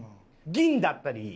銀だったり。